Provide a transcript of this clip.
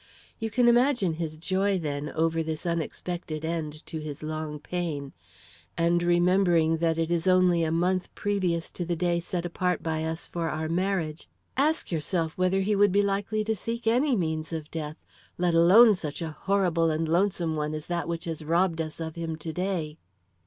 You can imagine his joy, then, over this unexpected end to his long pain; and remembering that it is only a month previous to the day set apart by us for our marriage, ask yourself whether he would be likely to seek any means of death, let alone such a horrible and lonesome one as that which has robbed us of him to day?"